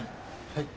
はい。